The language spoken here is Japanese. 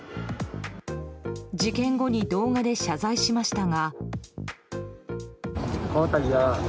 事件後に動画で謝罪しましたが。